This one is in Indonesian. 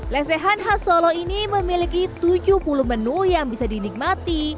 lesehan khas solo ini memiliki tujuh puluh menu yang bisa dinikmati